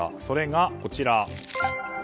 それが、こちら。